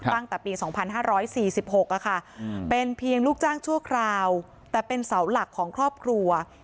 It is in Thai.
ตั้งแต่ปี๒๕๔๖เป็นเพียงลูกจ้างชั่วคราวแต่เป็นเสาหลักของครอบครัว